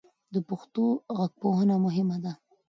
د پښتو غږپوهنه مهمه ده.